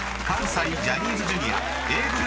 関西ジャニーズＪｒ．Ａぇ！